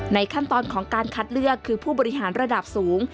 ขั้นตอนของการคัดเลือกคือผู้บริหารระดับสูง